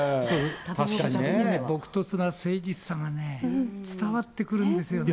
ぼくとつな誠実さがね、伝わってくるんですよね。